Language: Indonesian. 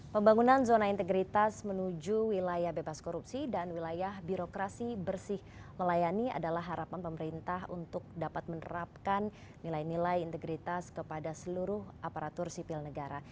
pembangunan zona integritas menuju wilayah bebas korupsi dan wilayah birokrasi bersih melayani adalah harapan pemerintah untuk dapat menerapkan nilai nilai integritas kepada seluruh aparatur sipil negara